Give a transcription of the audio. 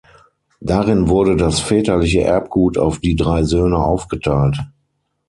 Darin wurde das väterliche Erbgut auf die drei Söhne aufgeteilt.